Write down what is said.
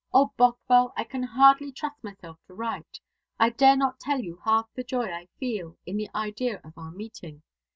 O Bothwell, I can hardly trust myself to write. I dare not tell you half the joy I feel in the idea of our meeting.